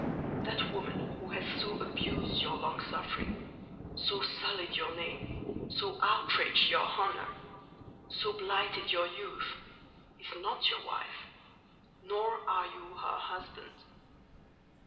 That woman, who has so abused your long suffering, so sullied your name, so outraged your honour, so blighted your youth, is not your wife, nor are you her husband.